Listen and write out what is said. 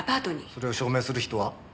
それを証明する人は？